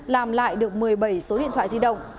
làm lại được một mươi bảy số điện thoại di động